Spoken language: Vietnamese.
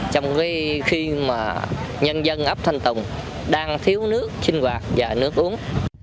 trong khi nhân dân ấp thanh tùng đang thiếu nước sinh hoạt và nước uống